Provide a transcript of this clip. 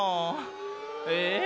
え？